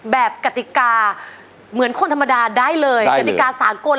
กติกาเหมือนคนธรรมดาได้เลยกติกาสากล